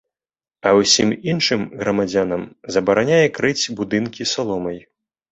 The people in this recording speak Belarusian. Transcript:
А ўсім іншым грамадзянам забараняе крыць будынкі саломай.